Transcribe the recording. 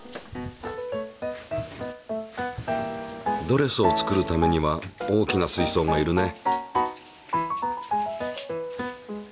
ドレスを作るためには大きな水槽がいるね。